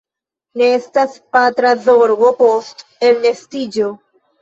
Ne estas patra zorgo post elnestiĝo.